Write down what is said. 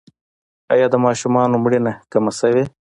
آیا د ماشومانو مړینه کمه شوې؟